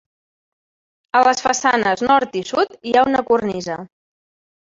A les façanes nord i sud hi ha una cornisa.